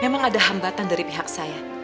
memang ada hambatan dari pihak saya